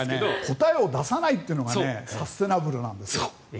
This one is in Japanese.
答えを出さないというのがサステナブルなんですよ。